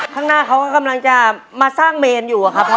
ข้างหน้าเขาก็กำลังจะมาสร้างเมนอยู่อะครับ